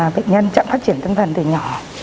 bệnh nhân chẳng phát triển tâm thần từ nhỏ